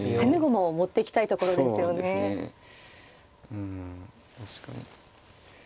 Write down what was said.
うん確かに。